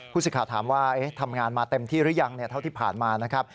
สิทธิ์ถามว่าทำงานมาเต็มที่หรือยังเท่าที่ผ่านมานะครับ